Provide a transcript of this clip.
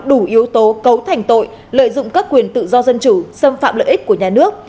đủ yếu tố cấu thành tội lợi dụng các quyền tự do dân chủ xâm phạm lợi ích của nhà nước